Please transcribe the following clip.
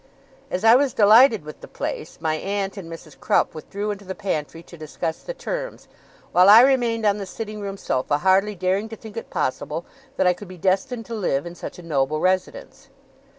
As I was delighted with the place, my aunt and Mrs. Crupp withdrew into the pantry to discuss the terms, while I remained on the sitting room sofa, hardly daring to think it possible that I could be destined to live in such a noble residence.